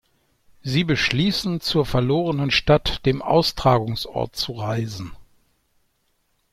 Sie beschließen, zur Verlorenen Stadt, dem Austragungsort, zu reisen.